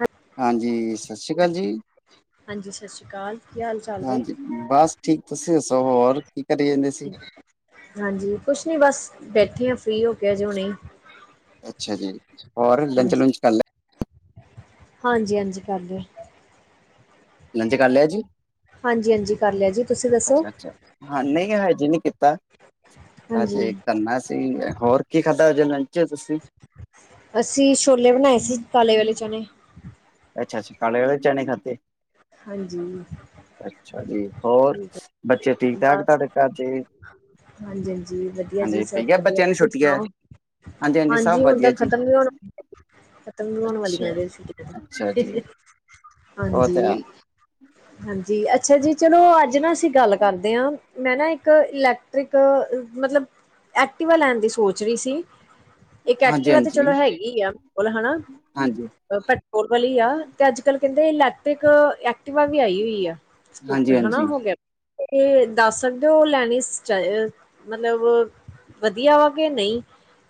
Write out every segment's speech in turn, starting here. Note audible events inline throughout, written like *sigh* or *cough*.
ਹਾਂ। ਹਾਂਜੀ, ਸਤਿ ਸ਼੍ਰੀ ਅਕਾਲ ਜੀ ਹਾਂਜੀ, ਸਤਿ ਸ੍ਰੀ ਅਕਾਲ, ਕੀ ਹਾਲ, ਚਾਲ ਜੇ ਹਾਂਜੀ ਬਸ ਠੀਕ, ਤੁਸੀਂ ਦੱਸੋ ਹੋਰ, ਕੀ ਕਰੇ ਜਾਂਦੇ ਸੀ ਹਾਂਜੀ, ਕੁਛ ਨੀ ਬਸ, ਬੈਠੇ ਹ ਫ੍ਰਰੀ ਹੋ ਕੇ, ਅਜੇ ਹੁਣੇ ਅੱਛਾ ਜੀ, ਹੋਰ ਹਾਂਜੀ ਲੰਚ-ਲਚ ਕਰ ਲਿਆ ਹਾਂਜੀ, ਹਾਂਜੀ ਕਰ ਲਿਆ ਲੰਚ ਕਰ ਲਿਆ ਜੀ ਹਾਂਜੀ- ਹਾਂਜੀ, ਕਰ ਲਿਆ ਜੀ, ਤੁਸੀਂ ਦੱਸੋ ਅੱਛਾ ਅੱਛਾ ਹਾਂ, ਨਹੀਂ ਹਜੇ ਨਹੀਂ ਕੀਤਾ, ਹਾਂਜੀ ਹਜੇ ਕਰਨਾ ਸੀ ਹੋਰ ਕੀ ਖਾਧਾ ਹੋ ਲੰ ਜਾ ਇ ਹੋ ਤੁਸੀਂ ਅਸੀਂ, ਛੋਲੇ ਬਣਾਏ ਸੀ ਕਾਲੇ ਵਾਲੇ ਚਣੇ ਅੱਛਾ- ਅੱਛਾ ਕਾਲੇ ਵਾਲੇ ਚਣੇ ਖਾਧੇ, ਹਾਂਜੀ ਅੱਛਾ ਜੀ ਹੋਰ ਠੀਕ ਹੈ ਬੱਚੇ ਠੀਕ- ਠਾਕ, ਬਸ ਤੁਹਾਡੇ ਘਰ ਜੇ ਹਾਂਜੀ- ਹਾਂਜੀ ਵਧੀਆ ਜੀ, ਸਭ ਪਈਆ ਵਧੀਆ, ਬੱਚਿਆਂ ਨੂੰ ਤੁਸੀਂ ਛੁੱਟੀਆਂ ਸੁਣਾਓ ਸਭ ਹਾਂਜੀ, ਹੁਣ ਤਾਂ ਵਧੀਆ ਜੀ ਖਤਮ ਵੀ ਹੋਣ, ਖਤਮ ਵੀ ਹੋਣ ਵਾਲੀਆਂ ਅੱਛਾ ਨੇ ਅੱਛਾ ਜੀ ਉਹ ਤੇ ਹੈ ਹਾਂਜੀ ਹਾਂਜੀ, ਅੱਛਾ ਜੀ ਚਲੋ ਅੱਜ ਨਾ ਅਸੀਂ ਗੱਲ ਹੈਨਾ ਮੈਂ ਨਾ ਇੱਕ, ਇਲੈਕਟ੍ਰਿਕ, ਮਤਲਬ ਐਕਟਿਵਾ ਲੈਣ ਦੀ ਸੋਚ ਰਹੀ ਸੀ ਇੱਕ ਹਾਂਜੀ ਐਕਟਿਵਾ ਹੈ ਤੇ ਹਾਂਜੀ ਚਲੋ ਹੈਗੀ ਆ, ਓਹਨਾ ਕੋਲ ਹਨਾ ਹਾਂਜੀ ਪੈਟਰੋਲ ਵਾਲੀ ਆ, ਤੇ ਅੱਜ -ਕਲ ਕਹਿੰਦੇ ਇਲੈਕਟ੍ਰਿਕ, ਐਕਟਿਵਾ ਵੀ ਆਈ ਹੋਈ ਆ ਹਾਂਜੀ ਸਕੂਟਰ, ਹਨਾ ਹਾਂਜੀ ਹੋ ਗਿਆ ਏ ਦੱਸ ਸਕਦੇ ਹੋ, ਉਹ ਲੈਣੀ ਮਤਲਬ ਵਧੀਆ ਵਾ ਕਿ, ਨਹੀਂ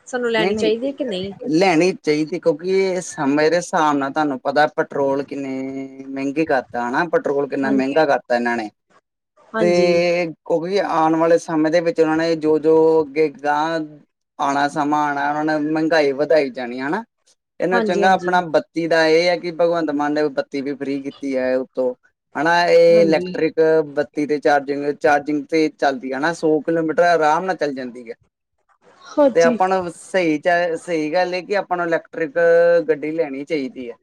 ਸਾਨੂੰ ਨਹੀਂ- ਲੈਣੀ ਨਹੀਂ ਚਾਹੀਦੀ ਕਿ ਨਹੀਂ ਲੈਣੀ ਚਾਹੀਦੀ, ਕਿਉਂਕਿ ਸਮੇਂ ਦੇ ਹਿਸਾਬ ਨਾਲ ਤੁਹਾਨੂੰ ਪਤਾ ਪੈਟਰੋਲ ਕਿੰਨੇ, ਮਹਿੰਗੇ ਕਰ ਤਾਂ ਨਾ, ਪੈਟਰੋਲ ਕਿੰਨਾ ਹਾਂਜੀ ਮਹਿੰਗਾ ਕਰਤਾ ਇਹਨਾਂ ਨੇ, ਹਾਂਜੀ ਤੇ ਕਿਉਂਕਿ ਆਉਣ ਵਾਲੇ ਸਮੇਂ ਦੇ ਵਿੱਚ ਉਹਨਾਂ ਨੇ ਜੋ ਜੋ ਅੱਗੇ ਗਾਂ ਆਉਣਾ। ਸਮਾਨ ਆ ਉਹਨਾਂ ਨੇ ਮਹਿੰਗਾਈ ਵਧਾਈ ਜਾਣੀ ਹਨਾ ਇਹਨੂੰ ਹਾਂਜੀ ਚੰਗਾ ਹਾਂਜੀ ਆਪਣਾ ਬੱਤੀ ਦਾ ਇਹ ਹੈ। ਕਿ ਭਗਵੰਤ ਮਾਨ ਨੇ ਬੱਤੀ ਵੀ ਫ੍ਰੀ ਕੀਤੀ ਹੈ ਉਤੋਂ ਹਨਾ ਇਹ ਹਾਂਜੀ ਇਲੈਕਟ੍ਰਿਕ। ਬੱਤੀ ਤੇ ਚਾਰਜਿੰਗ ਚਾਰਜਿੰਗ ਤੇ ਚੱਲਦੀ ਹੈਾ ਸੌ ਕਿਲੋਮੀਟਰ ਆਰਾਮ ਨਾਲ ਚੱਲ ਜਾਂਦੀ ਹੈ। ਤੇ ਹਾਂਜੀ ਆਪਣ ਸਹੀ ਚ ਸਹੀ ਗੱਲ ਹੈ ਕਿ ਆਪਾਂ ਲ। ਗੱਡੀ ਲੈਣੀ ਚਾਹੀਦੀ ਹੈ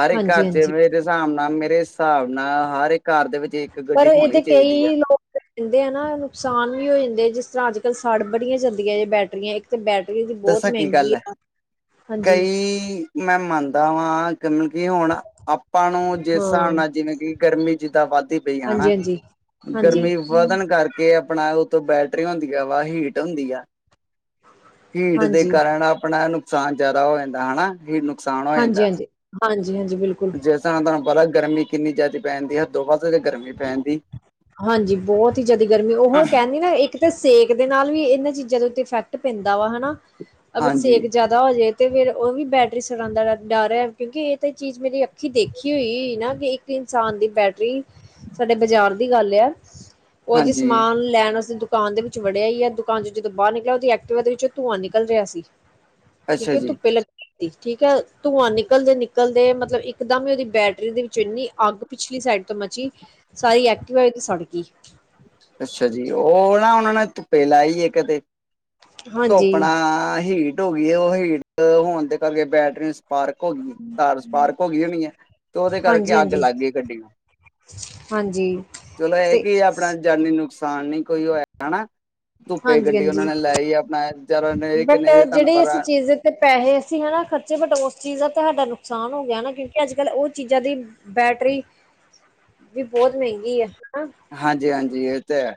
ਹਰ ਇੱਕ ਹਾਂਜੀ ਘਰ ਹਾਂਜੀ ਚ ਮੇਰੇ ਹਿਸਾਬ ਨਾਲ ਮੇਰੇ ਹਿਸਾਬ। ਨਾ ਹਰ ਇੱਕ ਘਰ ਦੇ ਵਿੱਚ ਇੱਕ ਪਰ ਗੱਡੀ ਹੋਣੀ ਇਹਦੇ ਚਾਹੀਦੀ ਆ। ਕਈ ਲੋਕ ਕਹਿੰਦੇ ਆ ਨਾ ਨੁਕਸਾਨ ਵੀ ਹੋ ਜਾਂਦੇ ਜਿਸ ਤਰ੍ਹਾਂ ਅੱਜ ਕੱਲ੍ਹ ਸੜ ਬੜੀਆਂ ਜਾਂਦੀਆਂ ਜੇ ਬੈਟਰੀਆਂ। ਤੇ ਬੈਟਰੀ ਦੀ ਬਹੁਤ ਦੱਸਾਂ ਗੱਲ ਮਹਿੰਗੀ ਹੈ ਆ ਹਾਂਜੀ। ਕੀ। ਮੈਂ ਮੰਨਦਾ ਵਾਂ। ਕਿਤਲਬ ਕਿ ਹੁਣ ਆਪਾਂ ਨੂੰ ਜਿਸ ਹਿਸਾਬ ਹਾਂ ਨਾਲ ਜਿਵੇਂ ਕਿ ਗਰਮੀ ਜਿੱਦਾਂ ਵੱਧਦੀ ਪਈ ਹਨਾ। ਹਾਂਜੀ ਹਾਂਜੀ ਹਾਂਜੀ ਗਰਮੀ ਵਧਣ ਕਰਕੇ ਆਪਣਾ ਉਤੋਂ ਬੈਟਰੀ ਹੁੰਦੀ ਆ ਵਾ ਹੀਟ ਹੁੰਦੀ ਆ। ਹੀਟ ਦੇ ਹਾਂਜੀ ਹਾਂਜੀ ਕਾਰਨ ਆਪਣਾ ਨੁਕਸਾਨ ਜ਼ਿਆਦਾ ਹੋ ਜਾਂਦਾ ਹਨਾ ਹੀ। ਹਾਂਜੀ ਹਾਂਜੀ ਹਾਂਜੀ ਹਾਂਜੀ ਬਿਲਕੁਲ। ਜਿਸ ਤਰ੍ਹਾਂ ਤੁਹਾਨੂੰ ਪਤਾ ਗਰਮੀ ਕਿੰਨੀ ਜ਼ਿਆਦਾ ਪੈ ਜਾਂਦੀ ਹੈ ਦੋ ਪਾਸੇ। ਹਾਂਜੀ ਬਹੁਤ ਹੀ ਜਿਆਦਾ ਗਰਮੀ ਉਹ ਕਹਿੰਦੀ ਨਾ ਇੱਕ। ਕਿਤੇ ਸੇਕ ਦੇ ਨਾਲ ਵੀ ਇਹਨਾਂ ਚੀਜ਼ਾਂ ਦੇ ਉੱਤੇ ਇਫੈਕਟ ਪੈਂਦਾ ਵਾ ਹਨਾ ਅਗਰ ਹਾਂਜੀ ਸੇਕ ਜ਼ਿਆਦਾ। ਹੋ ਜਾੇ ਤੇ ਫੇਰ ਉਹ ਵੀ ਬੈਟਰੀ ਸੜਾਉਂਦਾ ਡਰ ਹੈ ਕਿਉਂਕਿ ਇਹ ਤਾਂ ਚੀਜ਼ ਮੇਰੀ ਅੱਖੀ ਦੇਖੀ ਹੋਈ ਨਾ ਕਿ ਇੱਕ। ਇਨਸਾਨ ਦੀ ਬੈਟਰੀ। ਸਾਡੇ ਬਾਜ਼ਾਰ ਦੀ ਗੱਲ ਹੈ ਉਹ ਜਿ ਹਾਂਜੀ ਸਮਾਨ ਲੈਣ ਵ। ਦੁਕਾਨ ਦੇ ਵਿੱਚ ਵੜਿਆ ਹੀ ਹੈ ਦੁਕਾਨ ਚ ਜਦੋਂ ਬਾਹਰ ਨਿਕਲ ਉਹਦੀ ਐਕਟਿਵਾ ਦੇ ਵਿੱਚ ਧੂੰਆਂ ਨਿਕਲ ਰਿਹਾ ਸੀ। ਅੱਛਾ ਕਿਉਂਕਿ ਤੂੰ ਜੀ ਪਹਿਲਾਂ। ਠੀਕ ਹੈ ਧੂੰਆਂ ਨਿਕਲਦੇ ਨਿਕਲਦੇ ਮਤਲਬ ਇੱਕਦਮ ਹੀ ਉਹਦੀ ਬੈਟਰੀ ਦੇ ਵਿੱਚ ਇੰਨੀ ਅੱਗ ਪਿਛਲੀ ਸਾਈਡ। ਮਚੀ ਸਾਰੀ ਐਕਟੀਿਵਾ ਹੋ ਤੇ ਸੜਕੀ। ਅੱਛਾ ਜੀ ਲਾ ਉਹਨਾਂ ਨੇ ਪੇਲਾ ਹੀ। ਕਦੇ ਹਾਂਜੀ, ਧੋਪਣਾ ਹੀ। ਟ ਹੋ ਗਈ ਉਹ ਹੀਟ ਹੋਣ ਦੇ ਕਰਕੇ ਬੈਟਰੀ। ਪਾਰਕ ਹੋ ਗਈ ਤਾਰ ਪਾਰਕ ਹੋ ਗਈ ਹੋਣੀ ਹੈ ਤੇ ਉਹਦੇ ਹਾਂਜੀ, ਕਰਕੇ ਅੱਗ ਹਾਂਜੀ, ਲੱਗ ਗਈ ਗੱਡ ਨੂੰ। ਹਾਂਜੀ। ਚਲੋ, ਐ ਤੇ ਕੀ ਆਪਣਾ ਜਾਨੀ ਨੁਕਸਾਨ ਨੀ ਕੋਈ ਹੋਇਆ, ਹਨਾ। ਤੁੱਪੇ ਹਾਂਜੀ, ਗੱਡੀ ਔਨਾਂ ਹਾਂਜੀ ਨੇ, ਲਾਈ ਆਪਣਾ ਚਲੋ ਨੇ, ਬਟ ਕਿਨੇ ਦੀ ਤਾਨੁ ਜਿਹੜੀ ਪਤਾ ਅਸੀਂ ਐ। ਚੀਜ਼ ਤੇ ਪੈਹੇ ਅਸੀਂ, ਹਨਾ ਖਰਚੇ, ਬਟ ਔਸ ਚੀਜ਼ ਦਾ ਤਾਂ ਹਾਡਾ ਨੁਕਸਾਨ ਹੋ ਗਿਆ ਨਾ, ਕਿਉਂਕਿ ਅੱਜ-ਕੱਲ੍ਹ ਔ ਚੀਜ਼ਾਂ ਦੀ। ਬੈਟਰੀ ਵੀ ਬੋਤ ਮੈਂਗੀ ਆ ਹਨਾ। ਹਾਂਜੀ-ਹਾਂਜੀ, ਏ ਤੇ ਹੈ।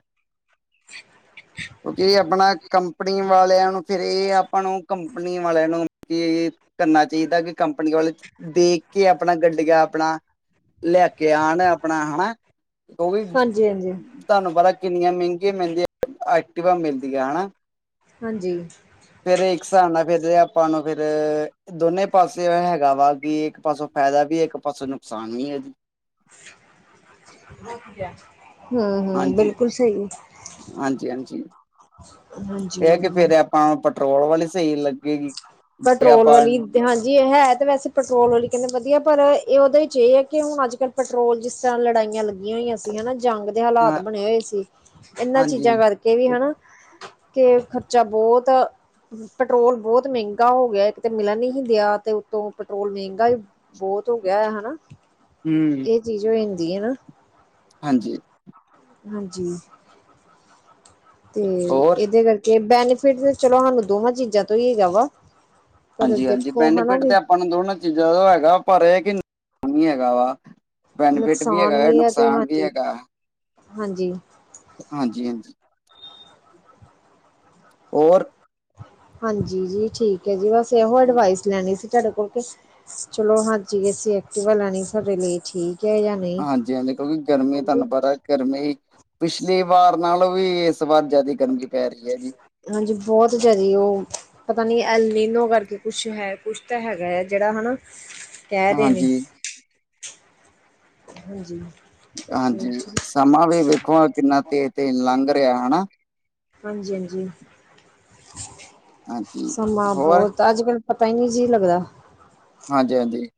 *inaudible* ਕਿਉਂਕਿ, ਆਪਣਾ ਕੰਪਨੀ ਵਾਲਿਆਂ ਨੂੰ, ਫੇਰ ਏ ਆਪਾਂ ਨੂੰ ਕੰ। ਕੰਪਨੀ ਵਾਲਿਆਂ ਨੂੰ, ਏ ਕਰਨਾ ਚਾਈਦਾ ਕਿ ਕੰਪਨੀ ਵਾਲੇ ਦੇਖ। ਕੀ ਅਪਣਾ ਗੱਡੀਆਂ, ਅਪਣਾ ਲੈ ਕੇ ਆਣ, ਅਪਣਾ ਹਨਾ। ਔ ਵੀ ਹਾਂਜੀ, ਹਾਂਜੀ, ਤਾਨੂੰ ਪਤਾ, ਕਿੰਨੀਆਂ ਮੈੰਗੀਆਂ ਮਿਲਦਿਆਂ, ਐਕਟੀਵਾ ਮਿਲਦੀਆਂ ਹਨਾ। ਹਾਂਜੀ। ਫੇਰ ਏਕ ਸਾਬ ਨਾਲ, ਫੇਰ ਆਪਾਂ ਨੂੰ ਫੇਰ ਦੋਨੇ। ਇੱਕ ਪਾਸੇ, ਹੈਗਾ ਵਾ ਕਿ ਏੱਕ ਪਾਸੋਂ ਫੈਦਾ ਵੀ, ਏਕ ਪਾਸੋ ਨੁਕਸਾਨ ਵੀ ਐ ਜੀ। ਰੋਕ ਗਿਆ। ਹੁੰ-ਹੁੰ, ਹਾਂਜੀ ਬਿਲਕੁਲ ਸਈ, ਹਾਂਜੀ ਹਾਂਜੀ ਹਾਂਜੀ। ਪਾ ਪਟਰੋਲ ਵਾਲੀ ਸਈ ਲ ਪੈਟਰੋਲ ਵਾਲੀ, ਹਾਂਜੀ, ਹੈ ਤੇ ਵੈਸੇ ਪਟਰੋਲ ਵਾਲੀ ਕੈਂਦੇ ਵਧਿਆ ਐ, ਪਰ ਏ ਔਦੇ ਚ ਏ ਐ ਕਿ ਹੁਣ ਅਜ-ਕਲ੍ਹ ਪਟਰੋਲ, ਜਿਸ ਤਰਾਂ ਲੜਾਇਯਾ ਲਗੀਆ ਹੋਈਆ ਸੀ, ਹਨਾ। ਜੰਗ ਦੇ ਹਾਂ ਹਾਲਾਤ ਬਣੇ ਹੋਏ ਸੀ, ਏਨਾਂ ਹਾਂਜੀ ਚੀਜ਼ਾਂ ਕਰਕੇ। ਏ ਵੀ, ਹਨਾ। ਕਿ ਖ਼ਰਚਾ ਬੋਤ, ਪੈਟਰੋਲ ਬੋਤ ਮੇੰਗਾ ਹੋ ਗਿਆ। ਕਿਤੇ ਮਿਲਣ ਨੀ ਸੀ ਦਿਆ, ਤੇ ਉੱਤੋਂ ਪੈਟਰੋਲ ਮੇਂਗਾ ਈ ਬੋਤ ਹੋ ਗਿਆ ਐ, ਹਨਾ। ਹੁੰ। ਇਹ ਚੀਜ਼ ਹੋ ਜਾਂਦੀ ਏ, ਨਾ। ਹਾਂਜੀ। ਹਾਂਜੀ। ਤੇ, ਹੋਰ ਏਦੇ ਕਰਕੇ, ਬੈਨੀਫਿਟ, ਤੇ ਚਲੋ ਹਾਨੂੰ ਦੋਹਾਂ ਚੀਜ਼ਾਂ ਤੋਂ ਹੀ ਹੈਗਾ ਵਾ। ਪਰ ਹਾਂਜੀ-ਹਾਂਜੀ, ਦੇਖੋ ਹਨਾ ਬੈਨੀਫਿਟ ਤੇ ਵੀ ਆਪਾਂ ਨੂੰ ਦੋਨਾਂ ਚੀਜ਼ਾਂ ਦਾ ਹੈਗਾ, ਪਰ ਏ ਕਿ, ਨੀ ਹੈਗਾ ਵਾ। ਬੈਨੀਫਿਟ ਵੀ ਨੁਕਸਾਨ ਹੈਗਾ ਆਂ, ਹੈ ਤੇ ਨੁਕਸਾਨ ਵੀ ਹਾਂਜੀ ਹੈਗਾ। ਹਾਂਜੀ। ਹਾਂਜੀ-ਹਾਂਜੀ। ਔਰ ਹਾਂਜੀ ਜੀ, ਠੀਕ ਐ ਜੀ, ਬਸ ਇਹੋ ਅਡਵਾਈਸ ਲੈਣੀ ਸੀ, ਤੁਆਡੇ ਕੋਲ ਕੇ ਚਲੋ ਹਾਂਜੀ, ਅਸੀਂ ਐਕਟਿਵਾ ਲੈਣੀ ਸਾਡੇ ਲੀ ਠੀਕ ਹੈ, ਯਾਂ ਹਾਂਜੀ-ਹਾਂਜੀ, ਕਿਉਂਕਿ ਗਰਮੀ, ਤਾਨੂੰ ਪਤਾ, ਗਰਮੀ, ਪਿਛਲੀ ਵਾਰ ਨਾਲੋਂ ਵੀ ਤੋਂ ਬਾਦ, ਜਾਦਾ ਗਰਮੀ ਪੈ, ਰੀ ਐ ਜੀ। ਹਾਂਜੀ, ਬੋਤ ਜ਼ਾਦੀ ਔ। ਪਤਾ ਨੀ, ਅਲਨੀਨੋ ਕਰਕੇ ਕੁਛ ਹੈ। ਕੁਛ ਤਾਂ ਹੈਗਾ ਐ, ਜਿਹੜਾ, ਹਨਾ, ਕੈ ਰੇ ਨੇ। ਹਾਂਜੀ। ਤੇ ਹਾਂਜੀ, ਸਮਾਂ ਵੀ ਵੇਖੋ, ਕਿੰਨਾ ਤੇਜ-ਤੇਜ ਲੰਘ ਰਿਆ ਨਾ, ਹਨਾ। ਹਾਂਜੀ-ਹਾਂਜੀ, ਹਾਂਜੀ ਸਮਾਂ ਹੋਰ ਬੋਤ ਤੇ ਅੱਜ-ਕੱਲ੍ਹ, ਪਤਾ ਈ ਨੀ, ਜੀ ਲੱਗਦਾ। ਹਾਂਜੀ-ਹਾਂਜੀ।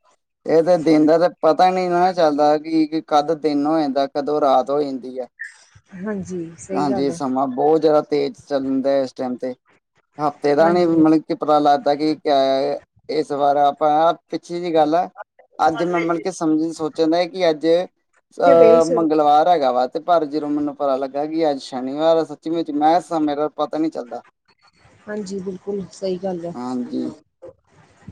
ਇਹ, ਤੇ ਦਿਨ ਦਾ ਤਾਂ ਪਤਾ ਨੀ ਨਾ ਚੱਲਦਾ। ਕਿ ਕਦ ਦਿਨ ਹੋ ਜਾਂਦਾ, ਕਦੋਂ ਰਾਤ ਹੋ ਜਾਂਦੀ ਐ। ਹਾਂਜੀ। ਸਹੀ ਹਾਂਜੀ, ਗੱਲ ਹੈ ਸਮਾਂ ਬੋਤ ਜਾਦਾ ਤੇਜ਼ ਚੱਲਦਾ ਏਸ ਟੈਮ ਤੇ, ਹਫ਼ਤੇ ਦਾ ਨੀ ਹਾਂਜੀ ਮਤਲਬ ਕਿ ਪਤਾ ਲੱਗਦਾ ਕਿ ਕਿਆ, ਇਸ ਬਾਰ, ਆਪਾਂ, ਪਿੱਛੀ ਜੀ ਗੱਲ ਐ। ਅੱਜ ਮੈਂ, ਮਤਲਬ, ਕੇ ਸਮਝ ਸੋਚਣ ਦਾ ਕਿ ਅੱਜ, ਇੱਥੇ ਪਈ ਅਹ ਸੀ ਮੰਗਲਵਾਰ ਹੈਗਾ ਵਾ। ਤੇ ਪਰ, ਜਦੋਂ ਮੈਨੂੰ ਪਤਾ ਲੱਗਾ ਕਿ, ਅੱਜ ਸ਼ਨੀਵਾਰ ਜਿਵੇ 'ਚ ਮਹਿਸ ਆ ਮੇਰਾ ਪਤਾ ਨੀ ਚੱਲਦਾ, ਹਾਂਜੀ ਬਿਲਕੁਲ ਸਹੀ ਗੱਲ ਹੈ ਹਾਂਜੀ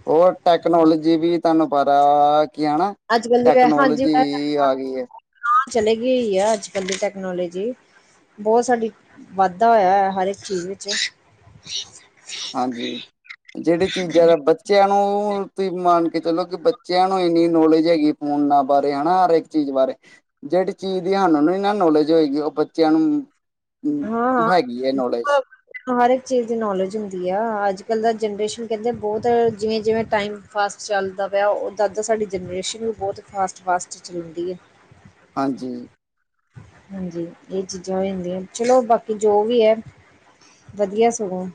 ਉਹ ਟੈਕਨੋਲੋਜੀ ਵੀ, ਤੁਹਾਨੂੰ ਪਤਾ, ਕੀ ਹਨਾ ਅੱਜ ਟੈਕਨੋਲੋਜੀ, ਆ ਗਈ ਏ ਹਾ ਚਲੇ ਗਈ ਆ ਅੱਜ -ਕੱਲ ਦੀ ਟੈਕਨੋਲੋਜੀ ਬੋਹਤ ਸਾਡੀ, ਵਾਧਾ ਹੋਇਆ ਹੈ ਹਰ ਇੱਕ ਚੀਜ਼ ਵਿੱਚ ਹਾਂਜੀ, ਜਿਹੜੀ ਚੀਜ਼ਾਂ ਦਾ ਬ ਬੱਚਿਆਂ ਨੂੰ, ਤੁਸੀਂ ਮੰਨ ਕੇ ਚਲੋ ਕਿ ਬੱਚਿਆਂ ਨੂੰ ਇੰਨੀ ਨੌਲੇਜ ਹੈਗੀ ਫੋਨਾਂ ਬਾਰੇ ਹਨਾ ਹਰ ਇੱਕ ਚੀਜ਼ ਬਾਰੇ, ਜੇੈਹੜੀ ਚੀਜ਼ ਦੀ ਸਾਨੂੰ ਨੀ ਨਾ ਨੌਲੇਜ ਹੋਏਗੀ, ਉਹ ਬੱਚਿਆਂ ਨੂੰ ਹੈਗੀ ਹੈ ਹਾਂ-ਹਾਂ ਨੌਲੇਜ ਹਰ ਇੱਕ ਚੀਜ਼ ਦੀ ਨੌਲੇਜ ਹੁੰਦੀ ਆ, ਅੱਜ ਕੱਲ੍ਹ ਦਾ ਜਨਰੇਸ਼ਨ ਕਹਿੰਦੇ ਬਹੁਤ, ਜਿਵੇਂ- ਜਿਵੇਂ ਟਾਈਮ ਫਾਸਟ ਚੱਲਦਾ ਪਿਆ, ਉੱਦਾਂਦਾਂ ਸਾਡੀ ਜਨਰੇਸ਼ਨ ਵੀ ਬਹੁਤ ਫਾਸਟ- ਫਾਸਟ ਚਲੰਦੀ ਹੈ। ਹਾਂਜੀ। ਹਾਂਜੀ ਇਹ ਚੀਜ਼ਾਂ ਹੋ ਜਾਂਦੀਆਂ ਚਲੋ ਬਾਕੀ ਜੋ ਵੀ ਹੈ। ਵਧੀਆ ਸੁਗੋਂ।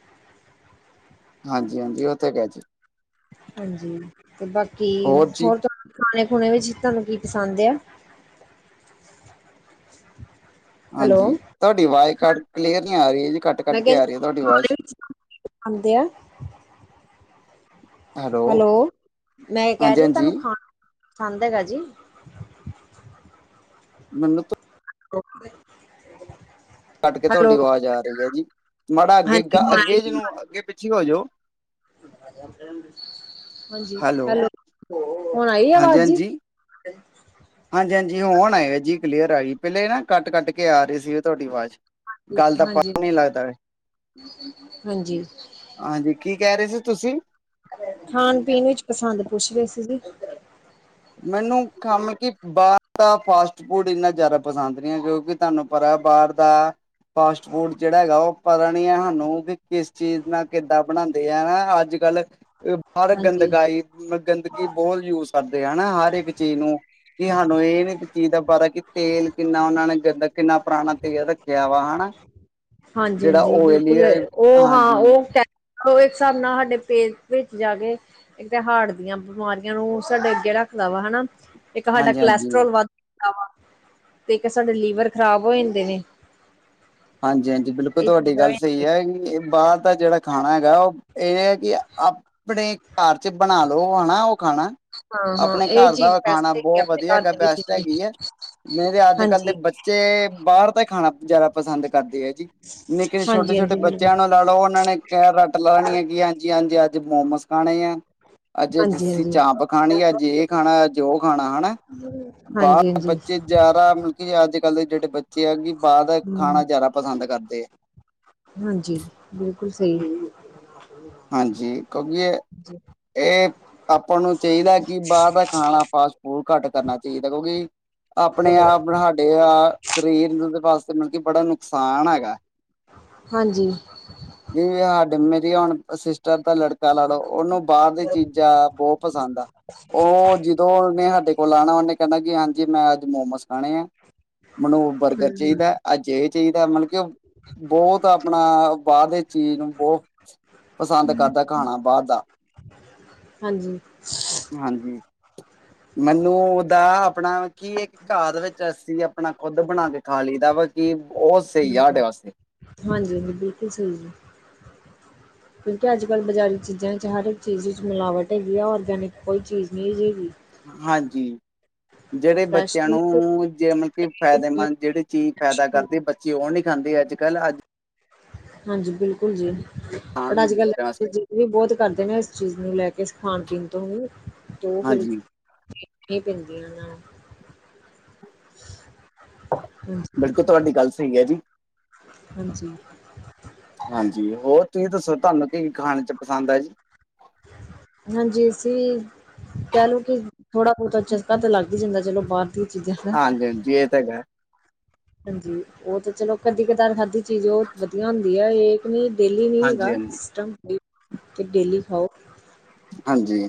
ਹਾਂਜੀ ਹਾਂਜੀ ਉਹਥੇ ਗ ਜੀ। ਹਾਂਜੀ ਤੇ ਬਾਕੀ ਹੋਰ ਖਾਣੇ ਖੁਣੇ ਵਿੱਚ ਤੁਹਾਨੂੰ ਕੀ ਪਸੰਦ ਆ। ਹੈਲੋ ਹਾਂਜੀ ਤਾੱਡੀ ਆਵਾਜ਼ ਕੱਟ ਕਲੀਅਰ ਨੀ ਆ ਰੀ ਹੈ ਜੀ ਕੱਟ ਕੱਟ ਕੇ ਆ ਰਹੀ ਹੈ ਤੁਹਾਡੀ ਆਵਾਜ਼। ਹਦੇ ਆ। ਹੈਲੋ ਮੈਂ ਕਹਿ ਹਾਂਜੀ ਰਹੀ ਹਾਂਜੀ ਤੁਹਾਨੂੰ ਖਾਣਾ ਪਸੰਦ ਹੈਗਾ ਜੀ। ਮੈਨੂੰ ਤਾਂ। *inaudible* ਘੱਟ ਕੇ ਤੁਹਾਡੀ ਹੈਲੋ ਆਵਾਜ਼ ਆ ਰਹੀ ਹੈ ਜੀ ਮਾੜਾ ਅੱਗੇ ਅੱਗੇ ਜਿਹਨੂੰ ਹਾਂਜੀ ਅੱਗੇ ਪਿੱਛੇ ਹੋ ਜਾਓ। ਹਾਂਜੀ ਹੈਲੋ ਹੁਣ ਆਈ ਆ ਆਵਾਜ਼ ਜੀ। *inaudible* ਹਾਂਜੀ ਹਾਂਜੀ ਹੁਣ ਆਏ ਆ ਜੀ ਕਲੀਅਰ ਆਈ ਪਹਿਲੇ ਨਾ ਕੱਟ ਕੱਟ ਕੇ ਆ ਰਹੀ ਸੀ ਤੁਹਾਡੀ ਆਵਾਜ਼। ਗੱਲ ਦਾ ਹਾਂਜੀ ਪਤਾ ਨੀ ਲੱਗਦਾ ਏ। ਹਾਂਜੀ। ਹਾਂਜੀ ਕੀ ਕਹਿ ਰਹੇ ਸੀ ਤੁਸੀਂ। ਖਾਣ ਪੀਣ ਵਿੱਚ ਪਸੰਦ ਪੁੱਛ ਗਏ ਸੀ ਜੀ। ਮੈਨੂੰ ਖਾਮ ਕਿ ਬਾਹਰ ਦਾ ਫਾਸਟ ਫੂਡ ਇੰਨਾ ਜ਼ਿਆਦਾ ਪਸੰਦ ਨਹੀਂ ਕਿਉਂਕਿ। ਤਾਨੂੰ ਪਤਾ ਬਾਹਰ ਦ। ਫਾਸਟ ਫੂਡ ਜਿਹੜਾ ਹੈਗਾ ਉਹ ਪਤਾ ਨਹੀਂੀ ਹੈ ਸਾਨੂੰ ਵੀ ਕਿਸ ਚੀਜ਼ ਨਾਲ ਕਿੱਦਾਂ ਬਣਾਉਂਦੇ ਆ ਅੱਜ ਕੱਲ੍ਹ। ਬਾਹਰ ਹਾਂਜੀ ਗੰਦਗਾਈ ਗੰਦਗੀ ਬਹੁਤ ਯੂਜ ਕਰਦੀ। ਹਨਾ ਹਰ ਇੱਕ ਚੀਜ਼ ਨੂੰ ਕਿ ਸਾਨੂੰ ਇਹਨ ਚੀਜ਼ ਦਾ ਪਤਾ ਕਿ। ਤੇਲ ਕਿੰਨਾ ਉਹਨਾ ਨੇ ਗੰਦਾ ਕਿੰਨਾ ਪੁਰਾਣਾ ਤੇਲ ਰੱਖਿਆ ਵਾ ਹਨਾ। ਹਾਂਜੀ ਜਿਹੜਾ ਹਾਂਜੀ ਉਹ ਇਹ ਲਈ ਬਿਲਕੁਲ ਉਹ ਹਾਂ ਹਾਂਜੀ। ਉਹ ਉਹ ਇੱਕ ਹਿਸਾਬ ਨਾਲ ਸਾਡੇ ਪੇਜ ਭ ਜਾਗੇ। ਇੱਕ ਤਾਂ ਹਾਰਟ ਦੀਆਂ ਬਿਮਾਰੀਆਂ ਨੂੰ ਸਾਡੇ ਅੱਗੇ ਰੱਖਦਾ ਵਾ ਹਨਾ। ਇੱਕ ਸਾਡਾ ਹਾਂਜੀ-ਹਾਂਜੀ। ਕੋਲੈਸਟਰੋਲ ਵੱਧ ਜਾਂਦਾ ਵਾ ਤੇ ਇੱਕ ਸਾਡੇ ਲੀਵਰ ਖ਼ਰਾਬ ਹੋ ਜਾਂਦੇ ਨੇ। ਹਾਂਜੀ ਹਾਂਜੀ ਬਿਲਕੁਲ ਇਹ ਤੁਹਾਡੀ ਚੀਜ਼ਾਂ ਗੱਲ ਸਹੀ ਹਾਂ ਹੈ ਬਾਹਰ ਦਾ ਜਿਹੜਾ। ਖਾਣਾ ਹੈਗਾ ਉਹ ਇਹ ਹੈ ਕਿ ਆਪਣੇ ਘਰ ਚ ਬਣਾ ਲੋ ਹੈਾ ਉਹ ਖਾਣਾ। ਹਾਂ ਆਪਣੇ ਇਹ ਘਰ ਚੀਜ਼ ਦਾ ਖਾਣਾ ਬੈਸਟ ਹੈਗੀ ਬਹੁਤ ਆਪਣੇ ਵਧੀਆ ਘਰ ਹੈਗਾ ਦੇ ਬੈਸਟ ਵਿੱਚ ਹੈਗੀ ਆ। ਨਹੀਂ ਤੇ ਅੱਜ ਕੱਲ ਦੇ ਹਾਂਜੀ ਬੱਚੇ ਬਾਹਰ ਤਾਂ ਹੀ ਖਾਣਾ ਜ਼ਿਆਦਾ ਪਸੰ। ਪਸੰਦ ਕਰਦੇ ਹੈ ਜੀ ਨਿੱਕੇ ਛੋਟੇ ਹਾਂਜੀ ਛੋਟੇ ਹਾਂਜੀ ਬਿਲਕੁਲ ਬੱਚਿਆਂ ਨੂੰ ਲਾ ਲਓ ਉਹਨਾਂ ਨੇ ਕ ਰੱਟ ਲਾਣੀ ਹੈ। ਾਂ ਹਾਂਜੀ ਹਾਂਜੀ ਅੱਜ ਮੋਮੋਸ ਖਾਣੇ ਆ ਅੱਜ ਹਾਂਜੀ ਅਸੀਂ ਚਾਪਂ। ਖਾਣੀ ਹਾਂਜੀ ਅੱਜ ਇਹ ਖਾਣਾ ਅੱਜ ਉਹ ਖਾਣਾ ਹਨਾ ਹਾਂਜੀ ਬਾਹਰ ਹਾਂਜੀ ਬੱਚੇ ਜਾਰਾਂ। ਕਿ ਅੱਜ ਕੱਲ੍ਹ ਦੇ ਜਿਹੜੇ ਬੱਚੇ ਆ ਕਿ ਬਾਹਰ ਦਾ ਹਮ ਖਾਣਾ ਜ਼ਿਆਦਾ ਪਸੰਦ ਕਰਦੇ ਆ। ਹਾਂਜੀ ਬਿਲਕੁਲ ਸਹੀ ਹੈ ਜੀ। ਹਾਂਜੀ ਕਿਉਂਕਿ ਇਹ ਇਹ। ਆਪਾਂ ਨੂੰ ਚਾਹੀਦਾ ਕਿ ਬਾਹਰ ਦਾ ਖਾਣਾ ਫਾਸਟ ਫੂਡ ਘੱਟ ਕਰਨਾ ਚਾਹੀਦਾ ਕਿਉਂਕਿ। ਆਪਣੇ ਆਪ ਸਾਡੇ ਸਰੀਰ ਨੂੰ ਵਾਸਤੇ ਮਤਲਬ ਕਿ ਬੜਾ ਨੁਕਸਾਨ ਹੈਗਾ। *unintelligible* ਹਾਂਜੀ। ਜ ਸਾਡੇ ਮੇਰੀ ਹੁਣ ਸਿਸਟਰ ਦਾ ਲੜਕਾ ਲਾ ਲੋ ਉਹਨੂ। ਬਾਹਰ ਦੀ ਚੀਜ਼ਾਂ ਬਹੁਤ ਪਸੰਦ ਆ। ਉਹ ਜਦੋਂਨੇ ਸਾਡੇ ਕੋਲ ਆਉਣਾ ਉਹਨੇ ਕਹਿੰਦਾ ਕਿ ਹਾਂਜੀ ਮੈਂ ਅੱਜ ਮੋਮੋਸ ਖਾਣੇ ਆ। ਮੈਨੂੰ ਬਰਗਰ ਚਾਹੀਦਾ ਅਜੇ ਚਾਹੀਦਾ ਮਤਲਬ ਕਿ। ਬਹੁਤ ਆਪਣਾ ਬਾਹਦੇ ਚੀਜ਼ ਨੂੰ ਬਹੁ ਤ ਪਸੰਦ ਕਰਦਾ ਖਾਣਾ ਬਾਹਰ ਦਾ, ਹਮ ਹਾਂਜੀ। ਮੈਨੂੰ ਉਹਦਾ ਆਪਣਾ ਕੀ ਇੱਕ ਘਰ ਵਿੱਚ ਅੱਸੀ ਆਪਣਾ ਖੁੱਦ ਬਣਾ ਕੇ ਖਾ ਲਈ ਦਾ ਵ। ਕਿ ਬਹੁਤ ਸਹੀ ਯਾ ਸਾਡੇ ਵਾਸਤੇ। ਹਾਂਜੀ, ਹਾਂਜੀ ਬਿਲਕੁਲ ਸਹੀ। *unintelligible* ਕਿਉਂਕਿ, ਅੱਜ ਕੱਲ੍ਹ ਬਾਜ਼ਾਰੀ ਚੀਜ਼ਾਂ ਵਿੱਚ ਹਰ ਇੱਕ ਚੀਜ਼ ਵਿੱਚ ਮਿਲਾਵਟ ਹੈਗੀ ਆ, ਔਰਗੈਨਿਕ ਕੋਈ ਚੀਜ਼ ਨਹੀ ਹੈਗੀ। ਹਾਂਜੀ, ਜਿਹੜੇ ਫਰੈਸ਼ ਬੱਚਿਆਂ ਨੂੰ ਜ ਮਤਲਬ ਕਿ ਫਾਇਦੇਮੰਦ ਜਿਹੜੀ ਚੀਜ਼ ਫੈਦਾ ਕਰਦੇ ਬੱਚੇ ਉਹ ਨਹੀਂ ਖਾਂਦੇ ਅੱਜ ਕੱਲ੍ਹ ਅੱਜ ਹਾਂਜੀ, ਬਿਲਕੁਲ ਜੀ ਖਾਣ ਪਰ ਹੁੰਦੀ ਅੱਜ-ਕੱਲ ਉਹਦੇ ਬਚੇ ਵਾਸਤੇ ਜੀ ਵੀ ਬਹੁਤ ਕਰਦੇ ਨੇ ਇਸ ਚੀਜ਼ ਨੂੰ ਲੈ ਕੇ ਖਾਣ ਪੀਣ ਤੋਂ ਵੀ ਤੇ ਫਿਰ ਹਾਂਜੀ ਪੈਂਦੀਆਂ ਉਹਨਾਂ ਨੂੰ *inaudible* ਬਿਲਕੁਲ ਤੁਹਾਡੀ ਗੱਲ ਸਹੀ ਹੈ ਜੀ। ਹਾਂਜੀ। ਹਾਂਜੀ, ਹੋਰ ਤੁਸੀਂ ਦੱਸੋ ਤੁਹਾਨੂੰ ਕੀ ਖਾਣ ਚ ਪਸੰਦ ਹੈ ਜੀ? ਹਾਂਜੀ, ਅਸੀ ਕਹਿਲੋ ਕਿ ਥੋੜਾ ਬਹੁਤਾ *inaudible* ਤਾਂ ਲੱਗ ਹੀ ਜਾਂਦਾ ਚਲੋ ਬਾਹਰ ਦੀਆਂ ਚੀਜ਼ਾਂ ਦਾ ਹਾਂਜੀ-ਹਾਂਜੀ, ਇਹ ਤਾਂ ਹੈਗਾ। ਹਾਂਜੀ, ਉਹ ਤਾਂ ਚਲੋ ਕਦੀ ਕਦਾਰ ਖਾਧੀ ਚੀਜ਼ ਉਹ ਵਧੀਆ ਹੁੰਦੀ ਹੈ ਇਹ ਪਨੀਰ ਡੇਲੀ ਨਹੀਂ ਹਾਂਜੀ ਹੇਗਾ ਹਾਂਜੀ ਸਟਮ ਡੇਲੀ ਖਾਓ। ਹਾਂਜੀ।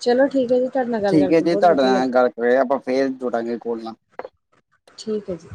ਚਲੋ ਠੀਕ ਹੈ ਜੀ ਤੁਹਾਡੇ ਨਾਲ ਗੱਲ ਠੀਕ ਹੈ ਕਰਕੇ ਜੀ, ਬਹੁਤ ਤੁਹਾਡੇ ਵਧੀਆ ਨਾਲ ਗੱਲ ਲੱਗਾ ਕਰ ਆਪਾਂ ਫੇਰ ਥੋੜਾ ਜਿਹਾ ਕੋਲ ਨਾਲ ਠੀਕ ਹੈ ਜੀ।